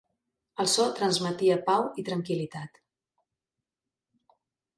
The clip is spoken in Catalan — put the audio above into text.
El so transmetia pau i tranquil·litat.